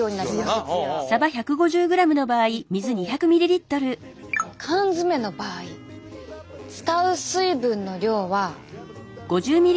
一方缶詰の場合使う水分の量は。